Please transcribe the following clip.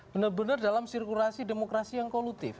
benar benar dalam sirkulasi demokrasi yang kollutif